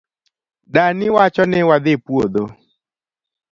Dani wacho ni wadhi puodho.